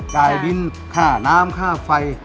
จ่ายดินค่าน้ำค่าไฟ